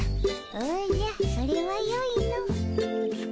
おじゃそれはよいの。